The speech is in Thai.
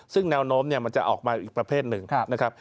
ซึ่งแนวโน้มมันจะออกมาอีกประเภทหนึ่งนะครับ